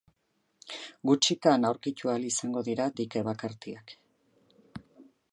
Gutxitan aurkitu ahal izango dira dike bakartiak.